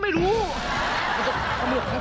เฮ้ยเฮ้ยเฮ้ยเฮ้ย